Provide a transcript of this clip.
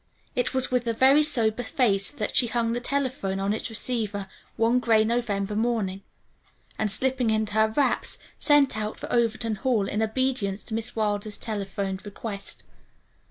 It was with a very sober face that she hung the telephone on its receiver one gray November morning, and slipping into her wraps, set out for Overton Hall in obedience to Miss Wilder's telephoned request.